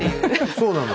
そうなの。